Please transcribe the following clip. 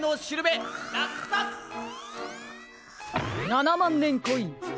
７まんねんコイン。